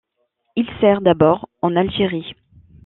Il sert d'abord en Algérie.